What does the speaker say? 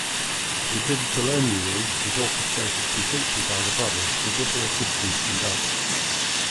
The digital-only release was orchestrated completely by the brothers with Little assistance from Doug.